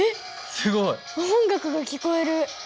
すごい！音楽が聞こえる。